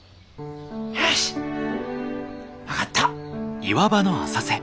よし分かった。